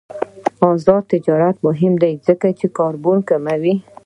آزاد تجارت مهم دی ځکه چې د کاربن کموي.